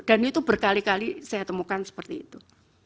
dan itu berkali kali saya temukan seperti itu